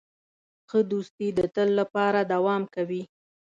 ښه دوستي د تل لپاره دوام کوي.